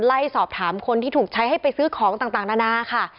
ไล่สอบถามคนที่ถูกใช้ให้ไปซื้อของต่างนานาค่ะ